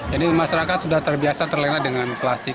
jadi masyarakat sudah terbiasa terlena dengan plastik